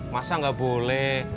masa gak boleh